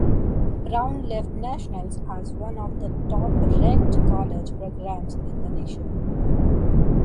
Brown left nationals as one of the top ranked college programs in the nation.